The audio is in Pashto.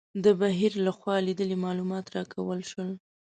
د بهیر لخوا لیدلي معلومات راکول شول.